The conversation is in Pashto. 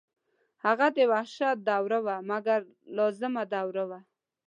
هغه د وحشت دوره وه مګر لازمه دوره وه.